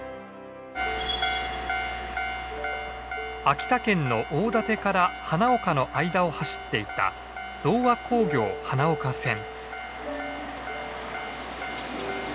秋田県の大館から花岡の間を走っていた同和鉱業花岡線。